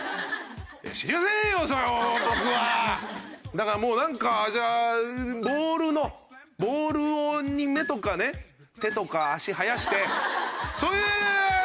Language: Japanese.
だからもうなんか「じゃあボールのボールに目とかね手とか足生やしてそういうキャラでいいじゃないか」